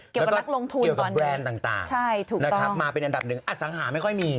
เกี่ยวกับนักลงทุนตอนนี้และก็เกี่ยวกับแบรนด์ต่างนะคะมาเป็นอันดับ๑อสังหาไม่ค่อยมี